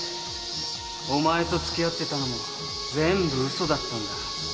お前と付き合ってたのも全部嘘だったんだ。